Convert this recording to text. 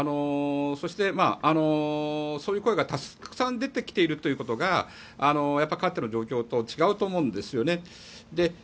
そして、そういう声がたくさん出てきているということがかつての状況と違うと思うんですね。